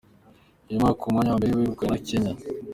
Uyu mwaka umwanya wa mbere wegukanywe na Kenya.